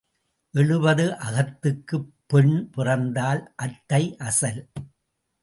எழுபது அகத்துக்குப் பெண் பிறந்தால் அத்தை அசல்.